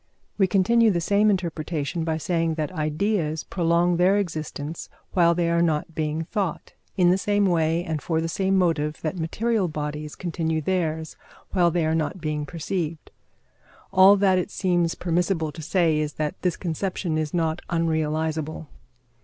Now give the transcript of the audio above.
We continue the same interpretation by saying that ideas prolong their existence while they are not being thought, in the same way and for the same motive that material bodies continue theirs while they are not being perceived. All that it seems permissible to say is that this conception is not unrealisable.